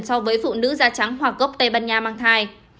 so với phụ nữ da trắng hoàng gốc tây ban nha mang thai